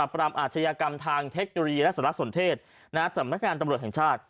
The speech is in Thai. ปราบอาชญากรรมทางเทคโนโลยีและศาลักษณ์ส่วนเทศนะฮะจำนักงานตำรวจแห่งชาติ